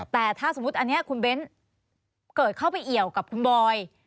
แต่ถ้าสมมุติอันนี้คุณเบ้นเกิดเข้าไปเอี่ยวกับคุณบอย